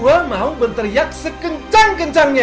gue mau berteriak sekencang kencangnya